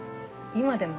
今でも。